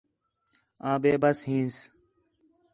آں بے بس ہینس